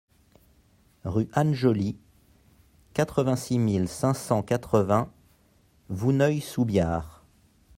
Rue Anne Jolly, quatre-vingt-six mille cinq cent quatre-vingts Vouneuil-sous-Biard